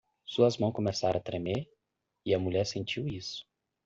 Suas mãos começaram a tremer? e a mulher sentiu isso.